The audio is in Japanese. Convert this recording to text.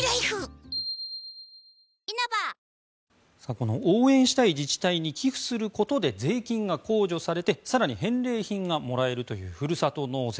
この応援したい自治体に寄付することで税金が控除されて更に返礼品がもらえるというふるさと納税。